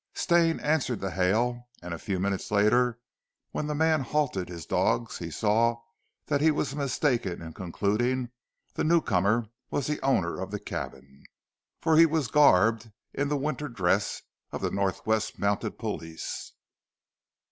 Stane answered the hail, and a few minutes later when the man halted his dogs he saw that he was mistaken in concluding the new comer was the owner of the cabin, for he was garbed in the winter dress of the Nor west Mounted Police.